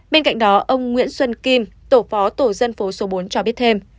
bên cạnh đó ông nguyễn xuân kim tổ phó tổ dân phố số bốn cho biết thêm